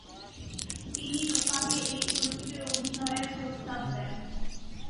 তিনি রূপা কে এই চরিত্রে অভিনয়ের প্রস্তাব দেন।